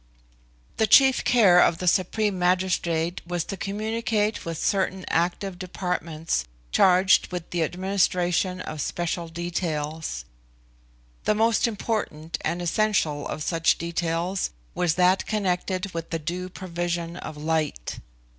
The chief care of the supreme magistrate was to communicate with certain active departments charged with the administration of special details. The most important and essential of such details was that connected with the due provision of light.